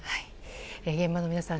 現場の皆さん